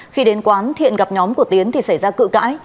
khi đến quán thiện gặp nhóm của tiến thì xảy ra cự cãi